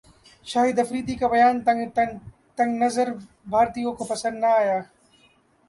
شاہد افریدی کا بیان تنگ نظر بھارتیوں کو پسند نہ ایا